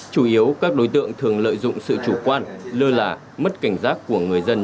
chủ yếu các đối tượng thường lợi dụng sự chủ quan lơ là mất cảnh giác của người dân